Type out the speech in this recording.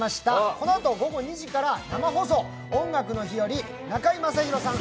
このあと午後２時から生放送「音楽の日」より中居正広さん